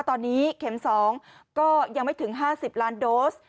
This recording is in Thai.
ตอนนี้เข็ม๒ก็ยังไม่ถึง๕๐ล้านโดส